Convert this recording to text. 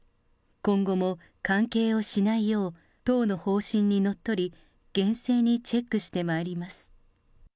今後も関係をしないよう、党の方針にのっとり、厳正にチェックしてまいります。